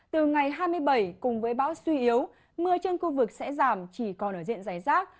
từ ngày hai mươi bảy cùng với bão suy yếu mưa trên khu vực sẽ giảm chỉ còn ở diện giải rác